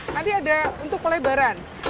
nanti ada untuk pelebaran